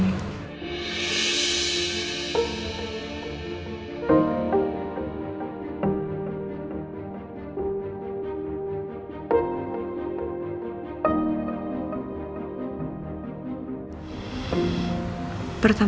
turun saja total tersebut